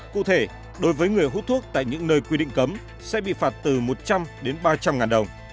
cụ thể đối với người hút thuốc tại những nơi quy định cấm sẽ bị phạt từ một trăm linh đến ba trăm linh ngàn đồng